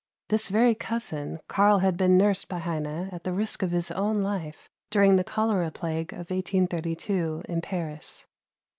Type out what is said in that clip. This very cousin Karl had been nursed by Heine at the risk of his own life during the cholera plague of 1832 in Paris.